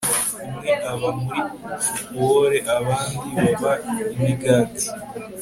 umwe aba muri fukuoka, abandi baba niigata